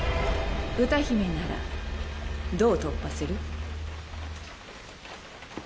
歌姫ならどう突破する？